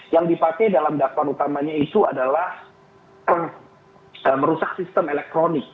yang dipakai dalam dakwaan utamanya itu adalah merusak sistem elektronik